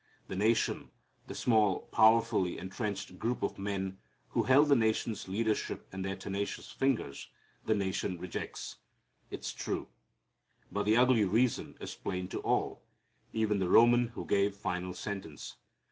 The nation the small, powerfully entrenched group of men who held the nation's leadership in their tenacious fingers the nation rejects. It's true. But the ugly reason is plain to all, even the Roman who gave final sentence.